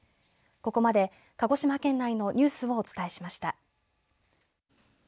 ここまで鹿児島県内のニュースをお伝えしました。